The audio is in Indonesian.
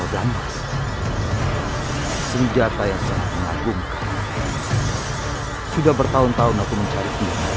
yang sangat mengagumkan sudah bertahun tahun aku mencari